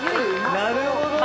・・なるほどね！